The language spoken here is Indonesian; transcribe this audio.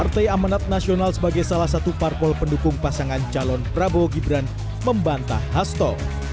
partai amanat nasional sebagai salah satu parpol pendukung pasangan calon prabowo gibran membantah hasto